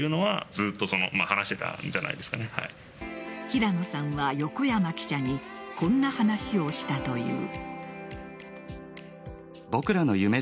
平野さんは横山記者にこんな話をしたという。